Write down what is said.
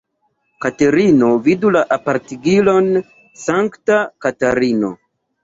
Katerino vidu la apartigilon Sankta Katarino.